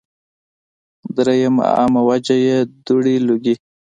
دريمه عامه وجه ئې دوړې ، لوګي